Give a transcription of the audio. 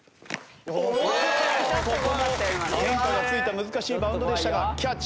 ここも変化がついた難しいバウンドでしたがキャッチ。